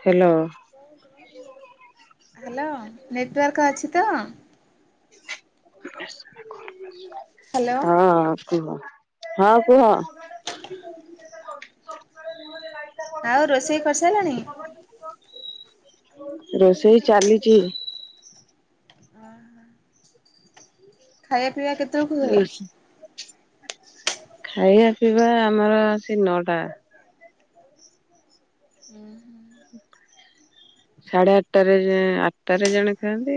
Hello hello network ଅଛି ତ। ବସ୍ ହ୍ୟାଲୋ ହଁ କୁହ? ହଁ କୁହ। ଆଉ ରୋଷେଇ କରିସାରିଲାଣି। ରୋଷେଇ ଚାଲିଛି। ଓ ହ। ଖାଇବା ପିଇବା କେତେବେଳେ ହୁଏ? ଖାଇବା ପିଇବା ଆମର [inaudible] ସାଢେ ଆଠଟ ଆଠଟାରେ ଜଣେ ଖାଆନ୍ତି,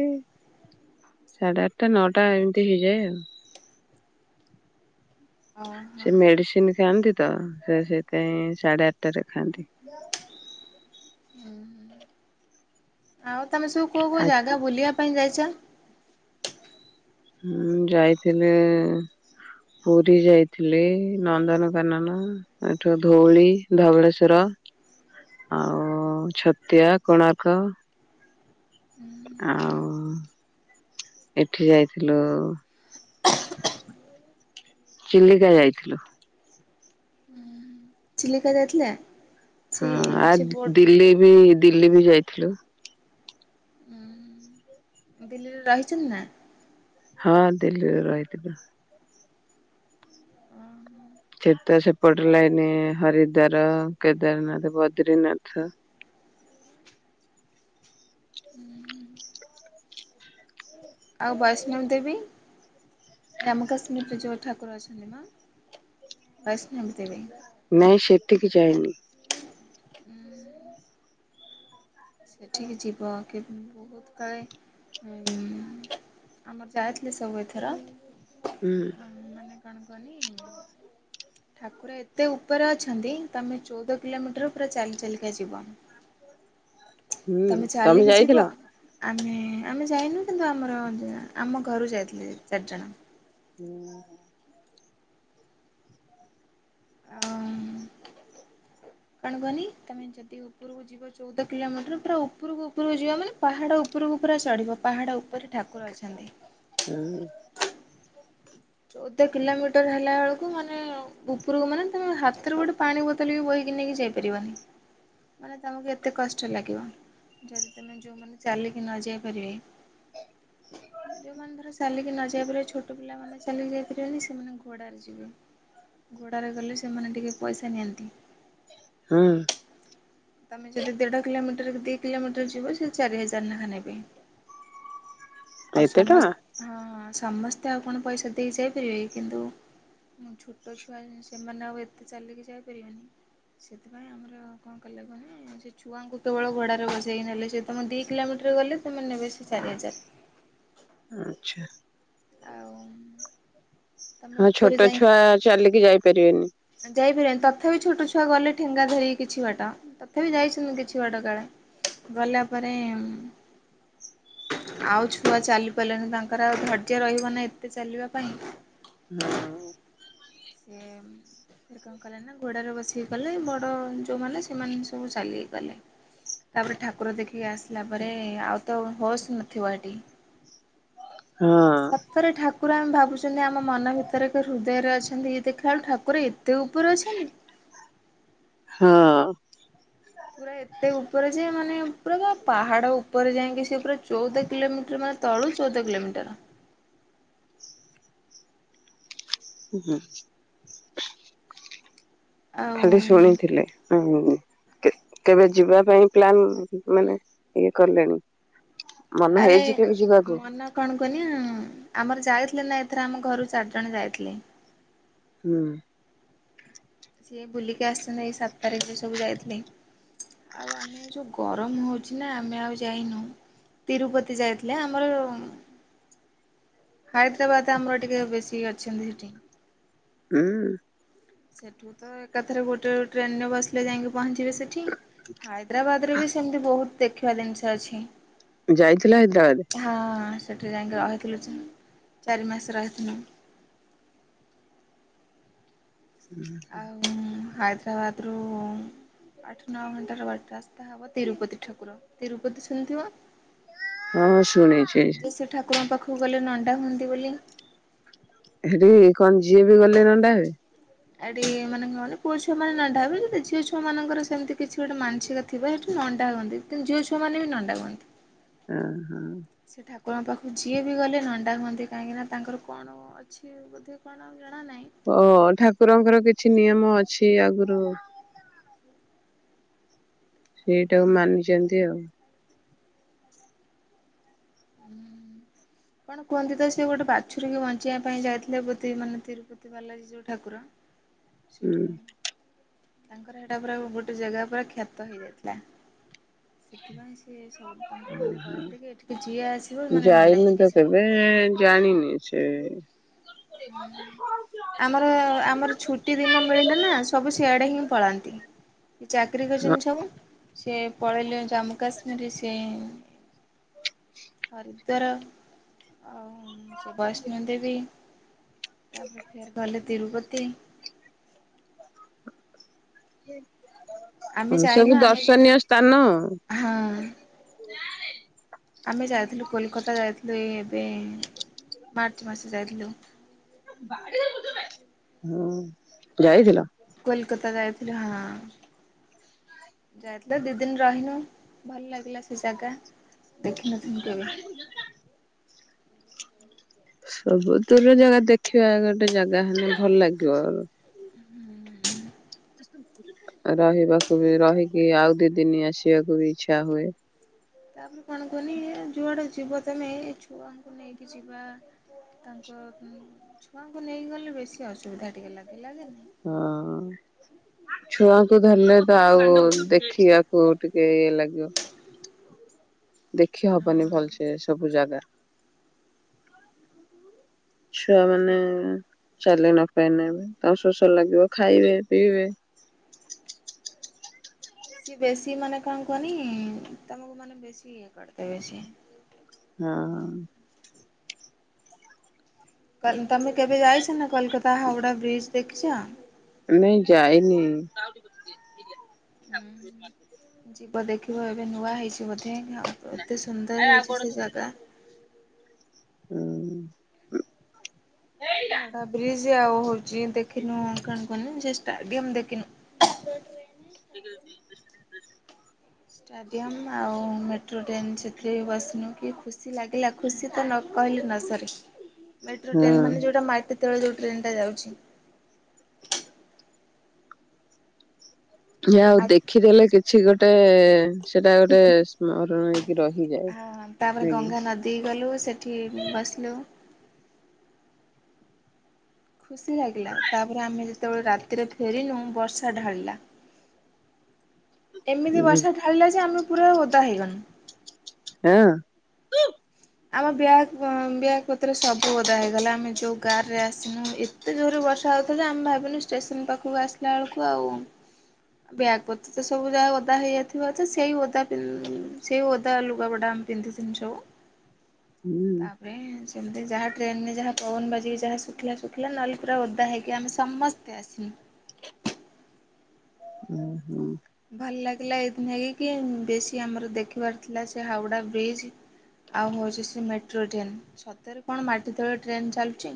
ସାଢେ ଆଠଟା ନଅଟା ଏମିତି ହେଇଯାଏ। ଆଉ ଓହୋ ସେ ମେଡିସିନ ଖାଆନ୍ତି ତ ସେ ସେଥିାଇଁ ସାଢେ ଆଠଟାରେ ଖାଆନ୍ତି। ଆଉ ତୁମେ ସବୁ କେଉଁ ଆ କେଉଁ ଜାଗା ବୁଲିବା ପାଇଁ ଯାଇଛ? ହଁ ଯାଇଥିଲି ପୁରୀ ଯାଇଥିଲି, ନନ୍ଦନକାନନ, ଏଠୁ ଧଉଳି ଧବଳେଶ୍ଵର, ଆଉ ଛତିଆ, କୋଣାର୍କ ଆଉ ଏଠି ଯାଇଥିଲୁ। ଚିଲିକା ଯାଇଥିଲୁ। ଚିଲିିକା ଯାଇଥିଲେ। ସେ ହଁ ଆ ସେ ବୋଟ୍ ଦିଲ୍ଲୀ ବି ଦିଲ୍ଲୀ ବି ଯାଇଥିଲୁ। ରହିଛନ୍ତି ନା। ହଁ ଦିଲ୍ଲୀରୁ ରହିଥିଲି। ତ ସେପଟ ଲାଇନି ହରିଦାୱର, କେଦାରନାଥ, ବଦ୍ରିନାଥ ଆଉ ବୈଷ୍ଣବ ଦେବୀ ଜାମ୍ମୁ କାଶ୍ମୀରରେ ଯେଉଁ ଠାକୁର ଅଛନ୍ତି ମା ବୈଷ୍ଣବ ଦେବୀ। ନାଇଁ ସେଠିକି ଯାଇନି। ସେଠିକି ଯିବ କି ବହୁତ କାଳେ ଆମର ଯାଇଥିଲେି ସବୁ ଏଥର ହୁଁ ହଁ ମାନେ କଣ କହନି ଠାକୁର ଏତେ ଉପରେ ଅଛନ୍ତି ତମେ ଚଉଦ କିଲୋମିଟର ପୁରା ଚାଲି ଚାଲିକା ଯିବ। ହୁଁ ତମେ ଚାଲିକି ଯିବ ଯାଇଥିଲ। ଆମେ ଆମେ ଯାଇନୁ କିନ୍ତୁ ଆମର ଆମ ଘରୁ ଯାଇଥିଲି ଚାରିଜଣ। ହଆ ହ କଣ କହନି ତମେ ଯଦି ଉପରକୁ ଯିବ ଚଉଦ କିଲୋମିଟର ପୁରା ଉପରକୁ ଉପରକୁ ଯିବ ମାନେ ପାହାଡ ଉପରକୁ ପୁରା ଚଢିବ ପାହାଡ ଉପରେ ଠାକୁ କୁକୁର ଅଛନ୍ତି। ଚଉଦ କିଲୋମିଟର ହେଲା ବେଳକୁ ମାନେ ଉପରକୁ ମାନେ ତମେ ହାତରେ ଗୋଟେ ପାଣି ବୋତଲ ବି ବୋହିକି ନେଇକି ଯାଇପାରିବନି, ମାନେ ତମକୁ ଏତେ କଷ୍ଟ ଲାଗିବ ଯଦି ତମେ ଯୋଉମାନେ ଚାଲିକି ନ ଯାଇ ପାରିବେ। ଯୋଉମାନେ ଧର ଚାଲିକି ନ ସେ ଛୋଟ ପିଲାମାନୋ ଚାଲିକୁ ଯାଇପାରିବନି ସେମାନେ ଘୋଡ଼ାରେ ଯିବେ, ଘୋଡ଼ାରେ ଗଲେ ସେମାନେ ଟିକେ ପଇସା ନିଅନ୍ତି। ହଁ ତମେ ଯଦି ଦେଢ କିଲୋମିଟର କି ଦି କିଲୋମିଟର ଯିବ ସେ ଚାରି ହଜାର ଲେଖା ନେବେ। ଏତେ ଆଉ ଟଙ୍କା? ସମସ୍ତ ହଁ। [inaudible] ଆଚ୍ଛା ଆଉ ତମେ ହଁ ଉପରେ ଛୋଟ ଛୁଆ ଚାଲିକି ଯାଇପାରିବେନି। ଯାଇ ଫ ତଥାପି ଛୋଟ ଛୁଆ ଗଲେ ଠେଙ୍ଗା ଧରିି କିଛି ବାଟ ତଥାପି ଯାଇଛନ୍ତି କିଛି ବାଟ କାଳେ ଗଲା ପରେ ଆଉ ଛୁଆ ଚାଲି ପାରିଲନି ତାଙ୍କର ଆଉ ଧୈର୍ଯ୍ୟ ରହିବ ନା ଏତେ ଚାଲିବା ପାଇଁ। ହଁ ସେ କଣ କଲେ ନା ଘୋଡାରେ ବସିକି ଗଲେ ବଡ ଯୋଉମାନୋନ ସେମାନେ ସବୁ ଚାଲି ହେଇଗଲେ ତାପରେ ଠାକୁର ଦେଖିକି ଆସିଲା ପରେ ଆଉ ତ ହସ୍ ନଥିବ ଏଠି ହଁ ସତରେ ଠାକୁ ପୁରା ଆମେ ଭାବୁଛନ୍ତି ଆମ ମନ ଭିତରେ ଏକ ହୃଦୟରେ ଅଛି। ଏମତି ଦେଖା ବେଳୁ ଠାକୁର ଏତେ ଉପରେ ଅଛନ୍ତି। ହଁ ପୁରା ଏତେ ଉପରେ ଯେ ମାନେ ପୁରା ଯେ ପାହାଡ ଉପରେ ଯାଇଁକି ସେ ପୁରା ଚଉଦ କିଲୋମିଟର ମାତ ତଳୁ ଚଉଦ କିିଲମିଟର ହୁଁ ହୁଁ। ଆଉ ଖାଲି ଶୁଣିଥିଲେ ଆଗୁରୁ କେ କେବେ ଯିବା ପାଇଁ ପ୍ଲାନ୍ ମାନେ ଇଏ କଲେଣି ମନ ଆରେ ହେଇଛି କେବେ ଯିବାକୁ ମନ କଣ କୁହନି ଆଁ ଆମର ଯାଇଥିଲେ ନା ଏଥର ଆମ ଘରୁ ଚାର୍ ଜଣ ଯାଇଥିଲେ। ହଁ ସିଏ ବୁଲିକି ଆସିସନ୍ତି ଏଇ ସାତ ତାରିଖ ରେ ସବୁ ଯାଇଥିଲେ ଆଉ ଆମେ ଯୋଉ ଗରମ ହଉଛି ନା ଆମେ ଆଉ ଯାଇନୁ ତିରୁପତି ଯାଇଥିଲେ ଆମର ହାଇଦ୍ରାବାଦ ଆମର ଟିକେ ବେଶୀ ଅଛନ୍ତି ସେଠି। ହଁଅ ସେଠୁ ତ ଏକାଥରେ ଗୋଟେ ଟ୍ରେନ ରେ ବସିଲେ ଯାଇଁକି ପହଞ୍ଚିବେ ସେଠି ହାଇଦ୍ରାବାଦରେ ବି ସେମତି ବହୁତ ଦେଖିବା ଜିନଷ ଅଛି। ଯାଇଥିଲା ହାଇଦ୍ରାବାଦ ହଁ ସେଠି ଯାଇଁକି ରହିଥିଲୁ ଚା ଚାରି ମାସ ରହିଥିଲୁ। ସେ ରହିବନି ସେ ନୁହ। ଆଉ ହାଇଦ୍ରାବାଦରୁ ଆଠ ନଅ ଘଣ୍ଟାର ବାଟ ରାସ୍ତା ହେବ ତିରୁପତି ଠାକୁର ତିରୁପତି ଶୁଣିଥିବ। ହଁଅ ଶୁଣିଛି। ମୁ ଗଲେ ନଣ୍ଡା ହୁଅନ୍ତି ବୋଲି। ହେଠି କଣ ଯିଏ ବି ଗଲେ ନଣ୍ଡା ହୁଏ। ଆଡେ ମାନେ କଣ କହନି ପୁଅ ଛୁଆ ମାନେ ନଣ୍ଡା ହୁଅନ୍ତି ଝିଅ ଛୁଆ ମାନଙ୍କର ସେମିତି କିଛି ଗୋଟେ ମାନସିକ ଥିବ ସେଠି ନଣ୍ଡା ହୁଅନ୍ତି କିନ୍ତୁ ଝିଅ ଛୁଆ ମାନେ ବି ନଣ୍ଡା ହୁଅନ୍ତି। ହୁଁ। କୁର ଙ୍କ ପାଖକୁ ଯିଏ ବି ଗଲେ ନଣ୍ଡା ହୁଅନ୍ତି କାହିଁକିନ ତାଙ୍କର କଣ ଅଛି ବୋଧେ କଣ ଜଣାନାହିଁ। ହଁ ଠାକୁରଙ୍କର କିଛି ନିୟମ ଅଛି ଆଗୁରୁ। ସେଇଟାକୁ ମାନିଚନ୍ତି ଆଉ। କଣ କୁହନ୍ତି ତ ସେ ଗୋଟେ ବାଛୁରୀକୁ ବଞ୍ଚେଇବା ପାଇଁ ଯାଇଥିଲେ ବୋଧେ ମାନେ ତିରୁପତି ବାଲାଜୀ ଯୋଉ ଠାକୁର। ସେଠୁ ହୁଁ [unintelligible] ତାଙ୍କର ହେଟା ପୁରା ଗୋଟେ ଜେଗା ପୁରା କ୍ଷତ ହେଇଯାଇଥିଲା ସେଥିପାଇଁ। ସିଏ ସବୁ ତାଙ୍କୁ ମାନେ କହିଥିଲେ କି ଏଠିକି ଯିଏ ଆସିବ ମାନେ ନଣ୍ଡା ହେଇକିଯି ଏ ଜାଣିନିି ସେ ହୁଁ ଆମର ଆମର ଛୁଟି ଦିନ ମିଳିଲେ ନା ସବୁ ସିଆ ଡେ ହିଁ ପଳାନ୍ତି। କି ଚାକିରି କରିଛନ୍ତି ହଁ ସବୁ। ସେ ପଳେଇଲେ ଜାମ୍ମୁ କାଶ୍ମୀରରେ ସେ ହରିଦ୍ୱାର ଆଉ ବୈଷ୍ଣୁ ଦେବି। ତାପରେ ଫେର ଗଲେ ତିରୁପତି। [unintelligible] ଆମେ ହ ଯାଇନୁ ସବୁ ଆମେ ଦର୍ଶନୀୟ ସ୍ଥାନ। ହଁ [inaudible] ଆମେ ଯାଉଥିଲୁ କୋଲକତା ଯାଇଥିଲୁ ଏଇ ଏବେ। ମାର୍ଚ୍ଚ ମାସ ଯାଇଥିଲୁ। [unintelligible] ହୁଁ ଯାଇଥିଲ। କୋଲକତା ଯା ଥିଲୁ ହଁ ଯାଇଥିଲ ଦି ଦିନ ରହିନୁ ଭଲ ଲାଗିଲା ସେ ଜାଗା। ଦେଖି ନଥିନୁ କେବେ? [unintelligible] ଜାଗା ଦେଖିବା ଗୋଟେ ଜାଗା ହେନେ ଭଲ ଲାଗିବ । [unintelligible] ରହିବାକୁ ବି ରହିକି ଆଉ ଦି ଦିନ ଆସିବାକୁ ବି ଇଚ୍ଛା ହୁଏ। ତାପରେ କଣ କୁହନି ଯୁଆଡ଼େ ଯିବ ତମେ ଏଇ ଛୁଆଙ୍କୁ ନେଇକି ଯିବା ତାଙ୍କ ଛୁଆଙ୍କୁ ନେଇକି ଗଲେ ବେଶୀ ଅସୁବିଧା ଟିକେ ଲାଗିଲା ଯେ। ହଁ ଛୁଆଙ୍କୁ ଧଲେ ତ ଆଉ ଦେଖିବାକୁ ଟିକେ ଇଏ ଲାଗିବ। ଦେଖି ହବନି ହଁ ଭଲସେ ସବୁ ଜାଗା। ଛୁଆମାନେ ଚାଲି ନପାଇନେ ତାକୁ ଶୋଷ ଲାଗିବ ଖାଇବେ ପିଇବେ। ସିଏ ବେଶୀ ମାନେ କଣ କୁଅନି ତମକୁ ମାନେ ବେଶୀ ଇ କରିଦେବେ ସିଏ। ହଁ। ତମେ କେବେ ଯାଇଛ ନା କୋଲକତା ହାଓଡା ବ୍ରିଚ୍ ଦେଖିଚ। ନାଇଁ ଯାଇନି। [unintelligible] ଯିବ ଦେଖିବ ଏବେ ନୂଆ ହେଇଚି ବୋଧେ। ଏତେ ସୁନ୍ଦର ହେଇଛି ସେ ଜାଗା ହୁଁ ହଉଡା ବ୍ରିଜି ଆଉ ହ ଯିଏ ଦେଖିନୁ କଣ କନି? ଚେଷ୍ଟାମ ଦେଖିନୁ [inaudible] ଷ୍ଟାଡିୟମ ଆଉ ମେଟ୍ରୋ ଟ୍ରେନ୍ ସେଥିରେ ବସିନୁ କି ଖୁସି ଖୁସି ଲାଗିଲା ଖୁସି ତ ନ କହିଲ ନର୍ଜରେ ମେଟ୍ରୋ ହୁଁ ଟ୍ରେ ମାନେ ଯଉଟା ଯେତେବେଳେ ଯୋଉ ଟ୍ରେନ୍ ଟା ଯାଉଛି। ଆଉ ଦେଖିଦେଲେ କି? ଛି ଗୋଟେ ସେଟା ହିଁ ଗୋଟେ ହିଁ ସ୍ମରଣ ହେଇକି ରହିଯାଏ ଆ ତାପରେ ନାଇଁ ଗଙ୍ଗା ନଦୀ ଗଲୁ ସେଠି ବସିଲୁ ଖୁସି ଲାଗିଲା ତାପରେ ଆମେ ଯେତେବେଳେ ରାତିରେ ଫେରିଲୁ ବର୍ଷା ଢାଳିଲା ଏମିତି କି ବର୍ଷା ଢାଳିଲା ଯେ ଆମେ ପୁରା ଓଦା ହେଇଗନୁ ହଁ ଉ ଆମ ବ୍ୟାଗ ବ୍ୟାଗ୍ ପତ୍ରରେ ସବୁ ଓଦା ହେଇଗଲା ଆମେ ଯୋଉ ଗାର ରେ ଆସିନୁ ଏତେ ଜୋରରେ ବର୍ଷା ହଉଥିଲା ଯେ ଆମ ବ୍ୟାଗ୍ ବା ବ୍ୟାଗ୍ ପତ୍ର ସବୁ ଓଦା ହେଇଗଲା ଆମେ ଯୋଉ କାର୍ ରେ ଆସିନୁ ଏତେ ଜୋରେ ବର୍ଷା ହୋଉଥିଜା। ଆମେ ଭାବିନୁ ଷ୍ଟେସନ ପାଖକୁ ଆସିଲା ବେଳକୁ ଆଉ ବ୍ୟାଗ୍ ପତ୍ର ତ ସବୁ ଯାହା ଓଦା ହେଇଯାଇଥିବ ତ ସେଇ ଓଦା ପିନ୍ ସେଇ ଓଦା ଲୁଗାପଟା ଆମେ ପିନ୍ଧିିଥିନୁ ସବୁ ହୁଁ ତାପ୍ ରେ ଶ୍ ଯେମତୀ ଯାହା ଟ୍ରେନରେ ଯାହା ଫୋନ୍ ବାଜି କି ଯାହା ଯାହା ଶୁଖିଲା ଶୁଖିଲା ନଲେ ପୁରା ଓଦା ହେଇକି? ଓ ହୋ ହୁଁ ଭଲ ଲାଗିଲା ଏଦ୍ ଏଇକି ବେଶୀ ଆମର ଦେଖିବାର ଥିଲା ସେ ହାଉଡା ବ୍ରିଜ ଆଉ ହଉଛି ସେ ମେଟ୍ରୋ ଟ୍ରେନ ସତରେ କଣ ମାଟି ତଳେ ଟ୍ରେନ ଚାଲୁଚି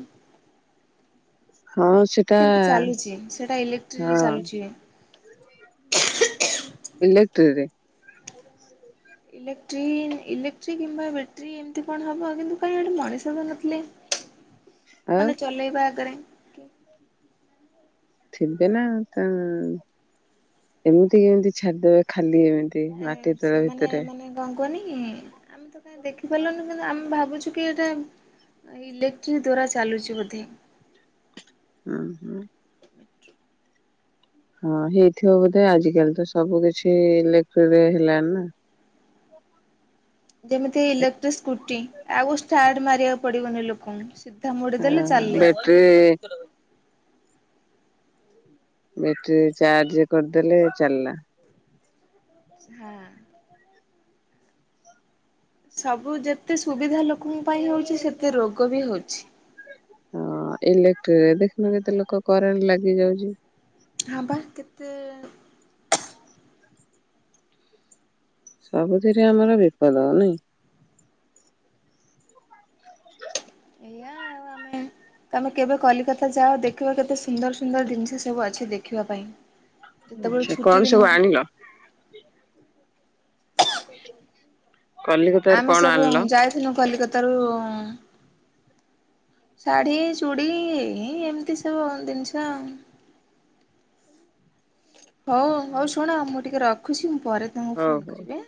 ହଁ ସେଟା କିନ୍ତୁ ଚାଲୁଚି ସେଟା ଇଲେକ୍ଟ୍ରିକ ହଁ ଚାଲୁଛି। [inaudible] ବିଲେ ତେରେ ଇଲେଟ୍ରି ଇଲେକ୍ଟ୍ର କିମ୍ବା ବ୍ୟାଟ୍ରି ଏମିତି କଣ ହବ କିନ୍ତୁ କାଇଁ ଏଟି ମଣିଷ ବି ନଥିଲେ। ଆଉ ମାନେ ଚଲେଇବା ଆଗେରେ ଓ ଥିବେନା ତାନ୍ ତି ମାଟି ତତଳେ ଭିତରେ କନି ଆମ୍ ତ କାହିଁ ଦେଖିପାରିଲୁନି କିନ୍ତୁ ଆମ୍ ଭାବୁଛୁ କି ଏଟା ହୁଁ ହୁଁ ହଁ ହେଇଥିବ ବୋଧେ ଆଜିିକାଲି ତ ସବୁ କିଛିଇଲେଟ୍ରି ହେଲଣି ଯେମିତି ଇଲେଟ୍ରି ସ୍କୁଟି ଆଉ ଷ୍ଟାର୍ଟ ମାରିବାକୁ ପଡ଼ିବନି ଲୋକଙ୍କୁ ସିଧା ମୋଡ଼ିଦେଲେ ହଁ ଚାଲିଲେ। ବେଟ୍ରି ବ୍ୟାଟ୍ରି ଚାର୍ଜ କରଦେଲେ ଚାଲଲା ସ୍ତା ସବୁ ଯେତେ ସୁବିଧା ଲୋକଙ୍କ ପାଇଁ ହଉଛି ସେତେ ରୋଗ ବି ହଉଛି। ହଁ ଇଲେଟ୍ରି ରେ ଦେଖିନ କେତେ ଲୋକ କରେଣ୍ଟ ଲାଗିଯାଉଛି। ହା ବା କେତେ ସବୁଥିରେ ଆମର ବିପଦ ନାଇଁ। ଏଇଆ ଆଉ ଆମେ ତମେ କେବେ କଲିକତା ଯାଅ ଦେଖିବ କେତେ ସୁନ୍ଦର ସୁନ୍ଦର ଜିନିଷ ସବୁ ଅଛି ଦେଖିବା ପାଇଁ ଯେତେବେଳେ ଆଛା ଛୁଟି କଣ ଦିନ ସବୁ ଆଣିଲ। ହ [inaudible] ଆମେଶ୍ ତରୁ ଶାଢୀ ଚୁଡି ଏଇ ଏମିତି ସବୁ ଆ ହୋଉ ହଉ ଶୁଣ ମୁଁ ଟିକେ ରଖ୍ ଖୁସି ଆଉ । ପରେ ତୁମକୁ ହଉ ଫୋନ୍ ହଉ। କରିବି